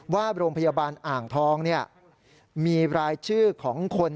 ว่าโรงพยาบาลอ่างทองมีรายชื่อของคน